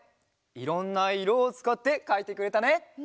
いろんないろをつかってかいてくれたね！